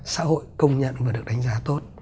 xã hội công nhận và được đánh giá tốt